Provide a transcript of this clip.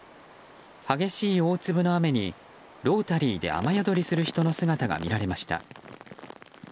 激しい大粒の雨にロータリーで雨宿りする人の姿が見られました。